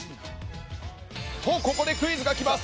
と、ここでクイズが来ます。